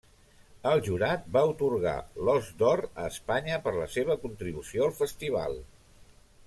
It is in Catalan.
El jurat va atorgar l'Ós d'Or a Espanya per la seva contribució al festival.